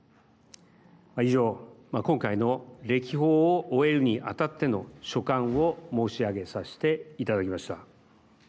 以上、今回の歴訪を終えるに当たっての所感を申し上げさせていただきました。